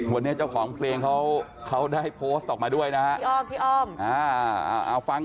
วันนี้เจ้าของเพลงเขาได้โพสต์ออกมาด้วยนะฮะ